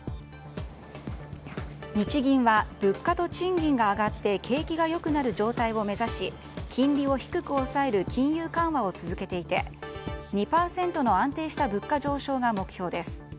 日銀は物価と賃金が上がって景気が良くなる状態を目指し金利を低く抑える金融緩和を続けていて２％の安定した物価上昇が目標です。